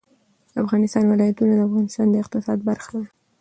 د افغانستان ولايتونه د افغانستان د اقتصاد برخه ده.